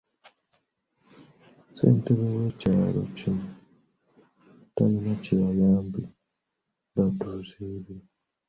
Ssentebe w’ekyalo kino talina ky’ayambye batuuze be.